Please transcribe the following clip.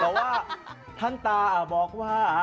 แต่ว่าท่านตาบอกว่า